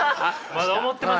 まだ思ってますよ